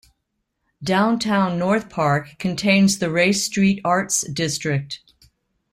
Downtown North Park contains the Ray Street Arts District.